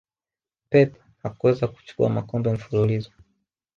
pep hakuweza kuchukua makombe mfululizo